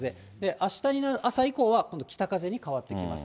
あしたの朝以降は、今度北風に変わってきます。